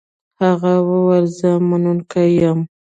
هغه وویل چې زه منونکی یم.